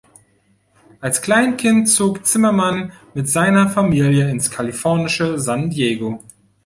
Als Kleinkind zog Zimmerman mit seiner Familie ins kalifornische San Diego.